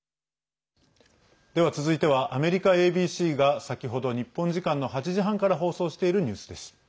では続いてはアメリカＡＢＣが先ほど日本時間の８時半から放送しているニュースです。